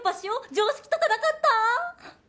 常識とかなかった？